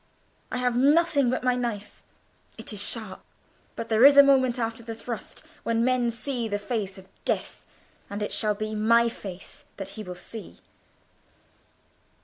I have nothing but my knife. It is sharp; but there is a moment after the thrust when men see the face of death,—and it shall be my face that he will see."